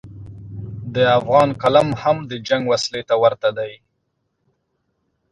د افغان قلم هم د جنګ وسلې ته ورته دی.